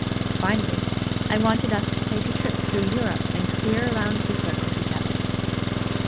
Finally, I wanted us to take a trip through Europe and clear around the circle together."